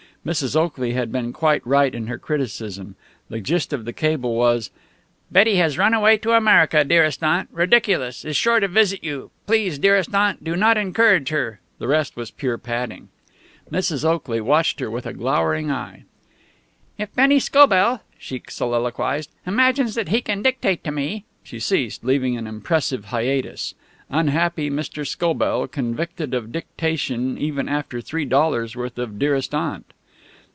Mrs. Oakley had been quite right in her criticism. The gist of the cable was, "Betty has run away to America dearest aunt ridiculous is sure to visit you please dearest aunt do not encourage her." The rest was pure padding. Mrs. Oakley watched her with a glowering eye. "If Bennie Scobell," she soliloquized, "imagines that he can dictate to me " She ceased, leaving an impressive hiatus. Unhappy Mr. Scobell, convicted of dictation even after three dollars' worth of "dearest aunt!"